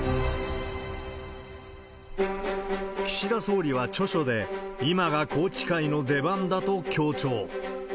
岸田総理は著書で、今が宏池会の出番だと強調。